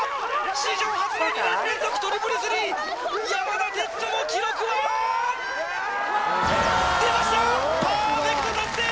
史上初の２年連続トリプルスリー山田哲人の記録は出ましたパーフェクト達成！